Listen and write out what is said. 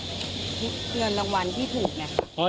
เรือนรางวัลที่ถูกนะครับ